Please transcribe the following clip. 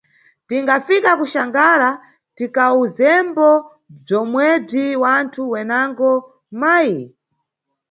Tingafika kuXangara, tikawuzembo bzomwebzi wanthu wenango, mayi?